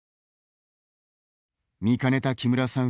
見かねた木村さん